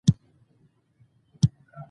د هرې معاملې ریکارډ په ډیجیټل ډول خوندي کیږي.